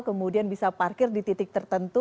kemudian bisa parkir di titik tertentu